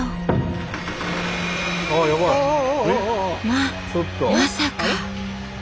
ままさか。